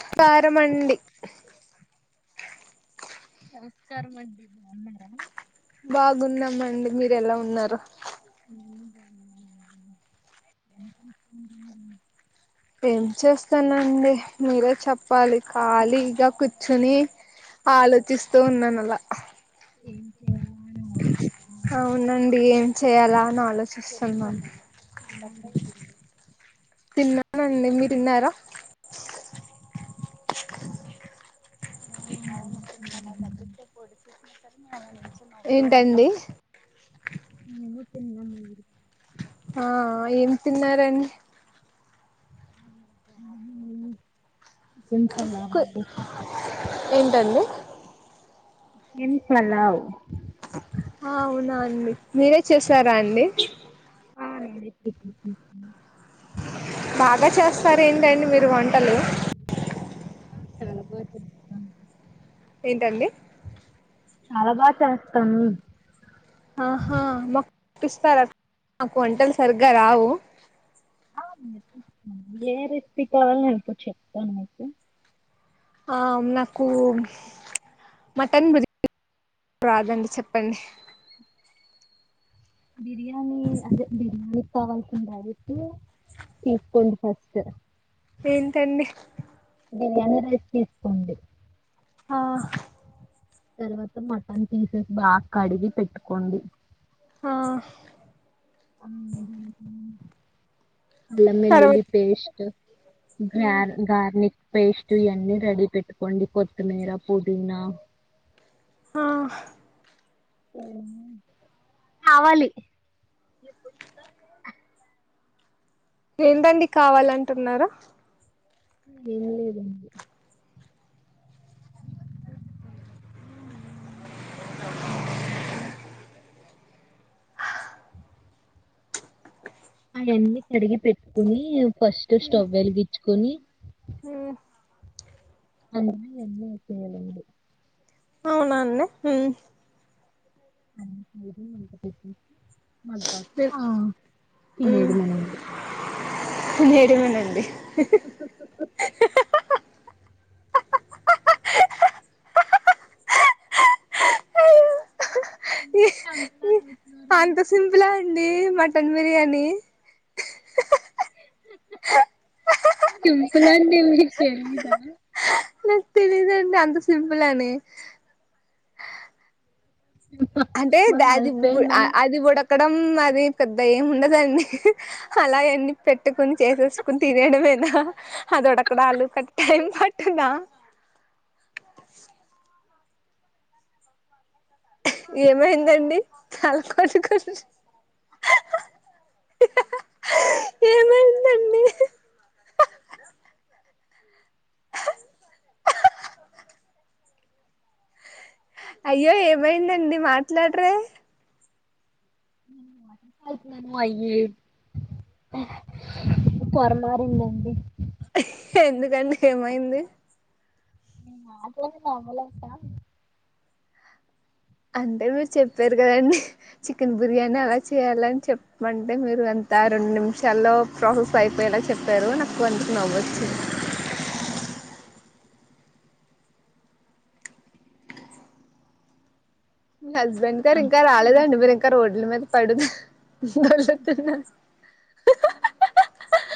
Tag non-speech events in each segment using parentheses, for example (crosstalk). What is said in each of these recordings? స్కారమండి. నమస్కారం అండి బాగున్నారా బాగున్నామండి మీరు ఎలా ఉన్నారు. (unintelligible) ఏం చేస్తానండి మీరే చెప్పాలి కాలిగా కూర్చుని ఆలోచిస్తూ ఉన్నానలా ఏం చేయాల అవునండి ఏం చేయాలా అని ఆలోచిస్తున్నాను. తిన్నారా (unintelligible) తిన్నానండి మీరుతిన్నారా అవునండి తిన్నాను. ఏంటండి నేను తిన్నాను. ఆ ఏం తిన్నారండి. నేనూ చికెన్ పలావండి ఏంటండి చికెన్ పలావ్ ఆ అవునా అండి మీరే చేసారా అండి. ఆ నేనే చేసానండి. బాగా చేస్తారెంటండి మీరు వంట (unintelligible) ఏంటండి. చాలా బాగా చేస్తాను. ఆహా బా పిస్తార నాకు వంటలు సరిగ్గా రావు ఆ నేర్పిస్తానండి. ఏ రెసిపీ కావాలి నీతో చెప్తాను మీకు ఆ నాకు మటన్ బిర్యానీ రాదండి చెప్పండి. బిర్యానీ అదే బిర్యానీ కావాల్సిన (unintelligible) తీసుకోండి ఫస్ట్ స్ ఏంటండి. బిర్యానీ రైస్ తీసుకోండి. ఆ తర్వాత మటన్ తీసేసి బాగ్కడిగి పెట్టుకోండి. ఆ అల్లం వెల్లుల్లి పేస్ట్ అల్లం తర్వాత వేల్లుల్లి పేస్ట్ గ్రా గార్నిక్ పేస్ట్ ఇవన్నీ రెడి పెట్టుకోండి. కొత్తిమీర పుదీనా హా హ్హ్ కావాలి ఏంటండి కావాలంటున్నారు వెళ్లుదమ్ మ్మ్ హ్హ్ అవన్నీ కడిగి పెట్టుకుని ఫస్ట్ స్టవ్ వెలిగించు కొని మ్మ్ హ్ మ్మ్ హు అవునండి (inaudible) పది దాక ఆ లేదు లేదు అన్నట్టు నేరమేనండి ఎందుకు అంటారు అంత సింపులా అండి మటన్ బిర్యానీ సింపులండి మీకు కదా నాకు తెలియడండి అంత సింపులని అంటే మా ద అది కూడా హస్బెండ్ ఆ అది కూడా ఉడకడం అది పెద్ద ఏం ఉండదండి హ్ హ్ అలా అని పెట్టుకుని చేసేసుకుని తినేయడమేనా అది ఉడకాడానికి టైం పట్టిందా ఏమైందండి తల కోట్టుకుంటున్నావ్ హ హ్హ్ హా హా హ్ ఏమైందండి అయ్యో ఏమైందండి మాట్లాడరే మ్మ్ అయ్యో పొర మారిందండి ఎందుకండి ఏమైంది నీ మాటలకి నవ్వలేక అంటే మీరు చెప్పారు కదండి చికెన్ బిర్యానీ అలా చేయ్యాలని చెప్పంటే మీరు అంత రెండు నిమిషాల్లో ప్రాసెస్ అయిపోయేలా చెప్పారు నాకు అందుకు నవ్వొచ్చింది మీ హస్బెండ్ గారు ఇంకా అంతేనండి రాలేదండి మీరు ఇంకా రోడ్ల మీద పడి ఉన్నారు జువెల్ దత్తన్నెస్ హా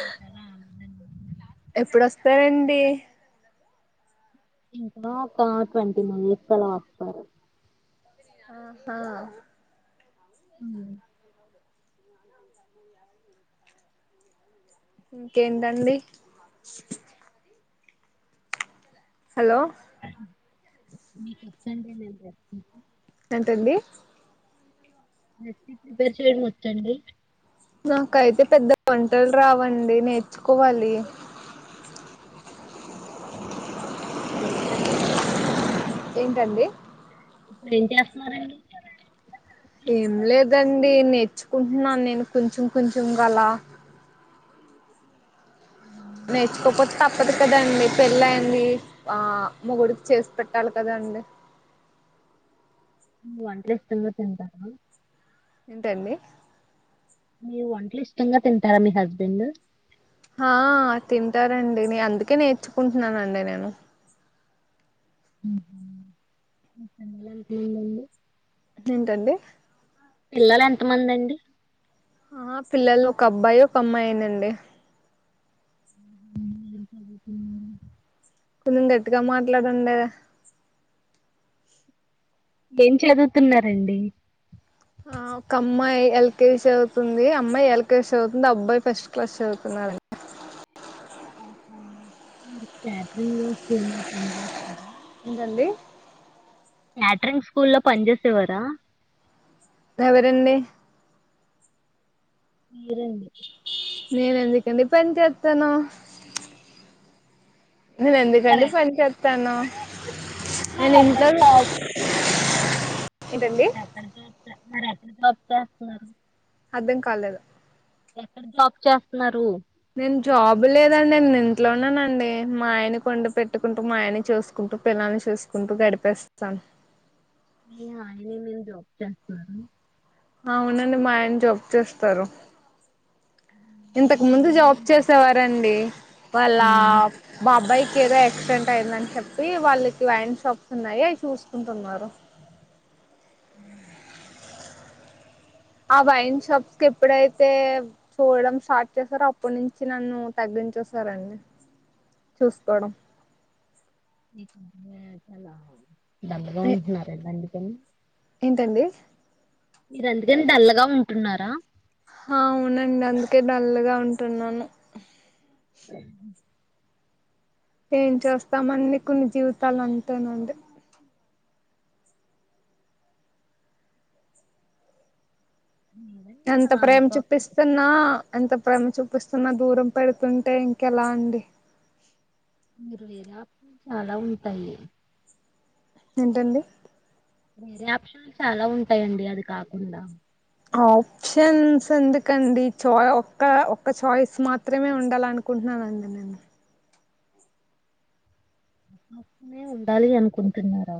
ఇంకా రాలేదండి ఎప్పుడోస్తాడండి ఇంకా ఒక ట్వంటీ మినిట్స్ లో అలా వస్తారు ఆహా మ్మ్ ఇంకేందండి హలో సండే లేదా రెస్ట్ మీకు ఏంటండీ రెస్పీ ప్రిపేర్ చేయడం వొచ్చా అండి నాకైతే పెద్ద వంటల్ రావండి నేర్చుకోవాలి అప్పుడు ఎం చేస్తారండి ఏంటండి ఇప్పుడు ఏం చేస్తున్నారండి ఏం లేదండి నేర్చుకుంటున్నాను నేను కొంచెం కొంచెం గలా ఉ నేర్చుకోపోత్ తప్పదు కదండి పెళ్ళి అయింది ఆ మొగుడికి చేసి పెట్టాలి కదండి నువు వంటజేస్తెనే తింటారా ఎంటండి మీ వంటలు ఇష్టంగా తింటారా మీ హస్బెండ్ ఆ తింటారండి నే అందుకే నేర్చుకుంటున్నానండి నేను ఉహు ఒక వేళ అది ఫేలయి ఇంటండి పిల్లలెంత మందండి ఆ పిల్లలు ఒక అబ్బాయి ఒక అమ్మాయేనండి ఉహు ఏం చదువుతున్నారు కొంచెం గట్టిగా మాట్లాడండె ఏం చదువుతున్నారండి ఆ ఒక అమ్మాయి ఎల్కేజీ చదువుతుంది అమ్మాయి ఎల్కేజీ చదువుతుంది అబ్బాయి ఫస్ట్ క్లాస్ చదువుతున్నాడు ఆహ మీరు క్యాటరింగ్ స్కూల్లో పని చేస్తారా ఏంటండి క్యాట్రింగ్ స్కూల్లో పని చేేసేవారా ఎవరండి మీరండి (unintelligible) నేను ఎందుకండి మరి పని చెస్తాను మరి నేను ఎక్కడ ఇంట్లో జాబ్ ఏంటండి (inaudible) (unintelligible) అర్థం కాలేదు ఎక్కడ జాబ్ చేస్తున్నారు నేను జాబ్ లేదండి నేను ఇంట్లోనేనండీ మా ఆయని వండి పెట్టుకుంటూ మా ఆయని చూసుకుంటూ పిల్లల్ని చూసుకుంటూ గడిపేస్తాను మీ ఆయనే జాబ్ చేస్తున్నారు అవునండి మా ఆయన జబ్ చేస్తారు ఇంతకు ముందు జాబ్ చేసేవారండి వాళ్ళ ఆ బాబాయి ఏదో యాక్సిడెంట్ అయిందని చెప్పి వాళ్ళకి వైన్ షాప్స్ ఉన్నాయి అవి చూసుకుంటున్నారు (inaudible) ఆ వైన్ షాప్స్ కి ఎప్పుడైతే చూడడం స్టార్ట్ చేస్తారో అప్పటి నుంచి నన్ను తగ్గించేసారండి చూసుకోవడం (inaudible) దండగా ఉంటున్నారు దండి (inaudible) ఏంటండి మీరుందుకని డల్లగా ఉంటున్నారా అవునండి అందుకే డల్లుగా ఉంటున్నాను (inaudible) ఏం చేస్తాం అండి కొన్ని జీవితాలు అంతేనండి లేదండి ఎంత అలా ప్రేమ అనుకోకండి చూపిస్తున్నా ఎంత ప్రేమ చూపిస్తున్న దూరం పెడుతుంటే ఇంకెలా అండి నిర్వేద చాలా ఉంటాయి ఏంటండి వేరే ఆప్షన్లు చాలా ఉంటాయండి అది కాకుండా ఆప్షన్స్ ఎందుకండి చ ఒక్క ఒక్క చాయిస్ మాత్రమే ఉండాల అనుకుంటున్నానండి నేను నే ఉండాలి అనుకుంటున్నారా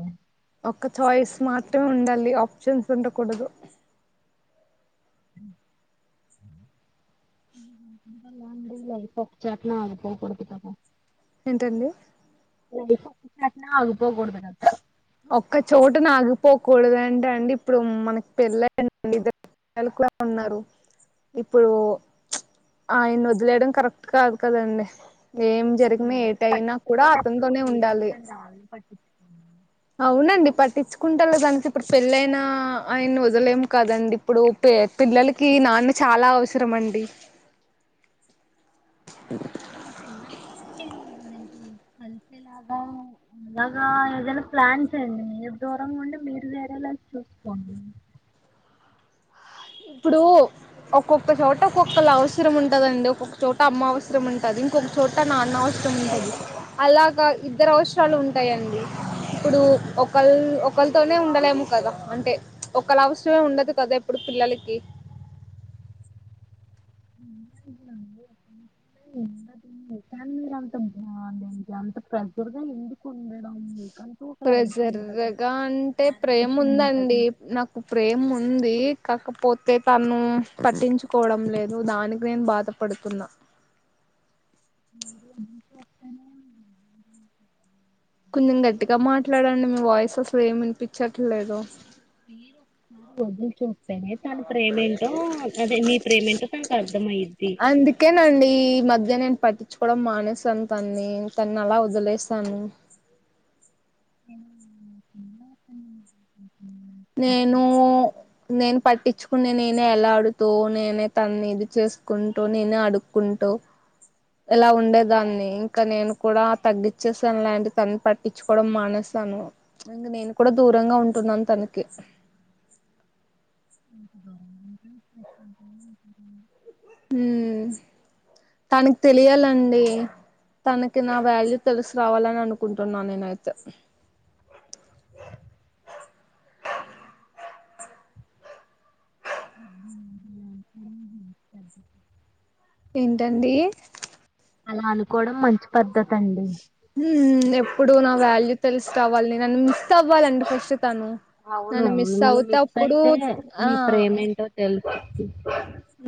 ఒక్క చాయిస్ మాత్రమే ఉండాలి ఆప్షన్స్ ఉండకూడదు (unintelligible) లైఫ్ ఆఫ్ (unintelligible) అనుకోకూడదు కదా ఏంటండి (inaudible) కదా ఒక్క చోటనే ఆగిపో కూడదు అంటే అండి ఇప్పుడు మనకి పెళ్ళయి (inaudible) ఇద్దరు (inaudible) పిల్లలు కూడా ఉన్నారు ఇప్పుడు ఆయన వదిలేయడం కరెక్ట్ కాదు కదండి ఏం జరిగినా మిమ్మల్ని ఏటయినా కూడా పట్టించుకోనప్పుడు అతనితోనే ఉండాలి మీరెందుకండి వాళ్ళని పట్టించుకోండి అవునండి పట్టించుకుంటలేదంటే ఇప్పుడు పెళ్ళైనా ఆయన్నీ వదలేం కదండి ఇప్పుడు పే పిల్లలకి నాన్న చాలా అవసరం అండి పిల్లలకి మన కలిసేలాగా అలాగా ఏదైనా ప్లాన్ చెయ్యండి మీరు దూరంగా ఉండి మీరు లేరేలాసి చూసుకోండి ఇప్పుడు ఒక్కొక్క చోట ఒక్కొక్కళ అవసరం ఉంటదండి ఒక్కొక్క చోట అమ్మ అవసరం ఉంటది ఇంకొక చోట నాన్న అవసరం ఉంటది అలాగా ఇద్దరు అవసరాలు ఉంటాయండి ఇప్పుడు ఒకళ ఒకళతోనే ఉండలేము కదా అంటే ఒకళ్ళ అవసరమే ఉండదు కదా ఇప్పుడు పిల్లల కి (unintelligible) ఫ్యామిలీ లో అంత బాగుందండి అంత దగ్గరగా ఎందుకు ఉండడం మీకంటూ ఒక లైఫ్ ప్రేస్సరు ఉంటుంది గా అంటే ప్రేమ టాబ్లేషన్ ఉంటది ఉందండి నాకు ప్రేమ ఉంది కాక పోతే తను పట్టించుకోవడం లేదు దానికి నేను బాధపడుతున్నా (inaudible) వస్తనే కొంచెం గట్టిగా మాట్లాడండి మీ వాయిస్ అసలు ఏమి వినిపించట్లేదు. వదులు చో పెనే తన ప్రేమేంటో అది నీ ప్రేమేంటో తనకు అర్థం అయ్యిద్ది అందుకేనండి ఈ మధ్య నేను పట్టించుకోవడం మానేసాను తన్ని, తన్ని అలా వదిలేసాను. నేను, నేనే పట్టించుకునే నేనే ఎలా అడు తో నేనే తన్ని ఇది చేసుకుంటూ నేనే అడుక్కుంటూ ఇలా ఉండేదాన్ని. ఇంకా నేను కూడా తగ్గచ్చేస్తాను లాంటి, తన్ పట్టించుకోవడం మానేస్తాను ఇంక నేను కూడా దూరంగా ఉంటున్నాను తను. కె (inaudible) హ్మ్మ్ తనకి తెలియాలండి తనకి, నా వాల్యూ తెలుసు రావాలని అనుకుంటున్నా నేనైతే. (inaudible) ఏంటండి అలా అనుకోవడం మంచి పద్ధతి అండి. హ్మ్ ఎప్పుడు నా వాల్యూ తెలిసిరావలి, నన్ను మిస్ అవ్వాలండి ఫస్ట్ తను. అవును నన్ను మిస్ మిమ్మల్ని అవుతే మిస్ అప్పుడు అయితే ఆ మీ ప్రేమేంటో తెలుస్తుంది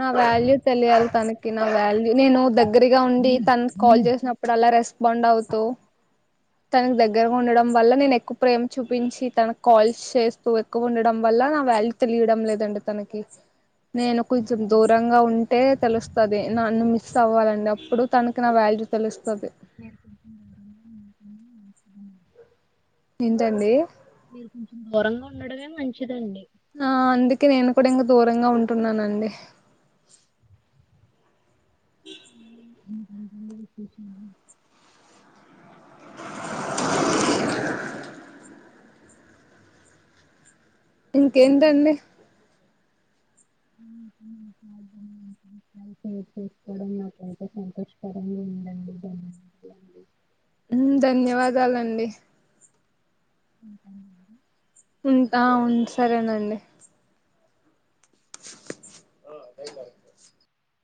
నా వాల్యూ తెలియాలి తనకి, నా వాల్యూ నేను దగ్గరగా ఉండి తన కాల్ చేసినప్పుడు అల్లా రెస్. బౌండవ్ తనకి దగ్గరగా ఉండడం వల్ల నేను ఎక్కువ ప్రేమ చూపించి తనకు కాల్స్ చేస్తూ ఎక్కువ ఉండడం వల్ల నా వాల్యూ తెలియడం లేదండి తనకి. నేను కొంచెం దూరంగా ఉంటే తెలుస్తది. నన్ను మిస్ అవ్వాలండి అప్పుడు తనకి నా వాల్యూ తెలుస్తది. (inaudible) ఏంటండీ మీరు కొంచెం దూరంగా ఉండడమే మంచిదండి. ఆ నేను కూడా ఇంకా దూరంగా ఉంటున్నానండి. ఉ (inaudible) అ (inaudible) ఇంకేంటండి షేర్ చేసుకోవడం నాకైతే సంతోషకరంగా ఉందండి. ధన్యవాదాలు ధన్యవాదాలండి. ఉంటానండి (inaudible) ఉంటా ఆ సరేనండి ఆ యి కా (inaudible)